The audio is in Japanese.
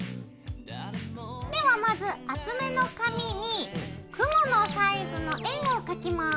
ではまず厚めの紙に雲のサイズの円を描きます。